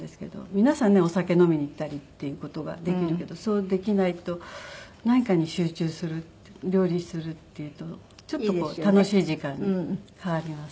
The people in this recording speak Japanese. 皆さんねお酒飲みに行ったりっていう事ができるけどそうできないと何かに集中するって料理するっていうとちょっと楽しい時間に変わります。